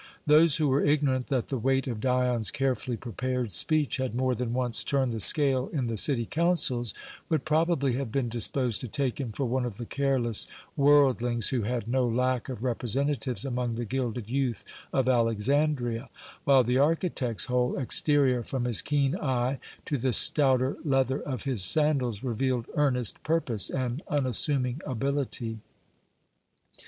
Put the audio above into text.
Those who were ignorant that the weight of Dion's carefully prepared speech had more than once turned the scale in the city councils would probably have been disposed to take him for one of the careless worldlings who had no lack of representatives among the gilded youth of Alexandria; while the architect's whole exterior, from his keen eye to the stouter leather of his sandals, revealed earnest purpose and unassuming ability.